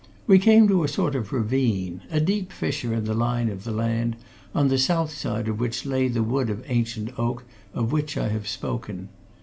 We came to a sort of ravine, a deep fissure in the line of the land, on the south side of which lay the wood of ancient oak of which I have spoken.